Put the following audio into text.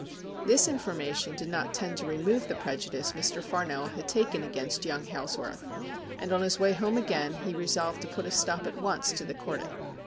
This information did not tend to remove the prejudice Mr. Farnell had taken against young Hailsworth, and, on his way home again, he resolved to put a stop at once to the courting.